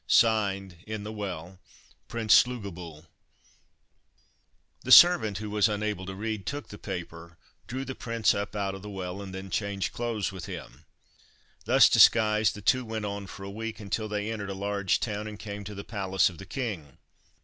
Signed, in the well— PRINCE SLUGOBYL." The servant, who was unable to read, took the paper, drew the prince up out of the well, and then changed clothes with him. Thus disguised, the two went on for a week, until they entered a large town and came to the palace of the king.